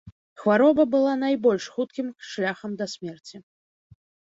Хвароба была найбольш хуткім шляхам да смерці.